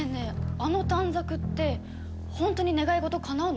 あの短冊って本当に願い事かなうのかな？